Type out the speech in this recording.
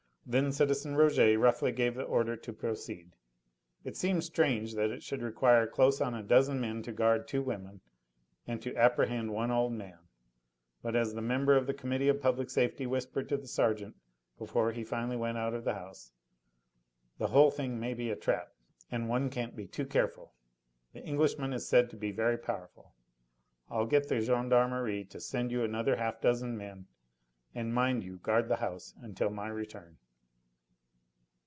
Then citizen Rouget roughly gave the order to proceed. It seemed strange that it should require close on a dozen men to guard two women and to apprehend one old man, but as the member of the Committee of Public Safety whispered to the sergeant before he finally went out of the house: "The whole thing may be a trap, and one can't be too careful. The Englishman is said to be very powerful; I'll get the gendarmerie to send you another half dozen men, and mind you guard the house until my return."